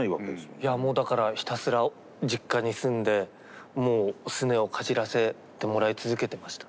いやもうだからひたすら実家に住んでもうすねをかじらせてもらい続けてました。